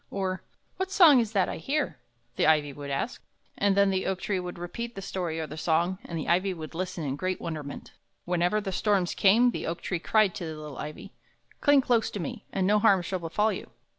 or "What song is that I hear?" the ivy would ask; and then the oak tree would repeat the story or the song, and the ivy would listen in great wonderment. Whenever the storms came, the oak tree cried to the little ivy: "Cling close to me, and no harm shall befall you!